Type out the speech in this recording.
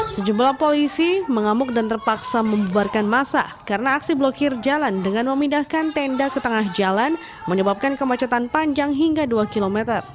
sejumlah polisi mengamuk dan terpaksa membuarkan masa karena aksi blokir jalan dengan memindahkan tenda ke tengah jalan menyebabkan kemacetan panjang hingga dua km